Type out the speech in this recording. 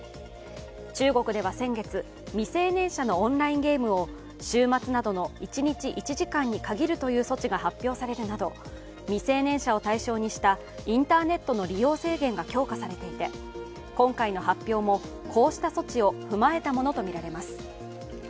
中国では先月、未成年者のオンラインゲームを週末などの一日１時間に限るという措置が発表されるなど未成年者を対象にしたインターネットの利用制限が強化されていて、今回の発表も、こうした措置を踏まえたものとみられます。